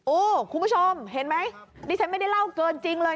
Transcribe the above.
โอ้โหคุณผู้ชมเห็นไหมดิฉันไม่ได้เล่าเกินจริงเลย